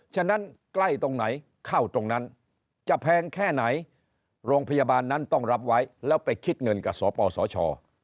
ฉะนั้นใกล้ตรงไหนเข้าตรงนั้นจะแพงแค่ไหนโรงพยาบาลนั้นต้องรับไว้แล้วไปคิดเงินกับสปสช